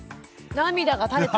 涙が垂れた？